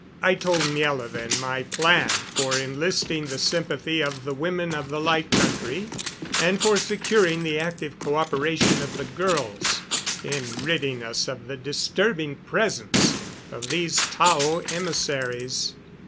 I told Miela then my plan for enlisting the sympathy of the women of the Light Country and for securing the active coöperation of the girls in ridding us of the disturbing presence of these Tao emissaries.